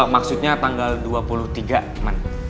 maksudnya tanggal dua puluh tiga teman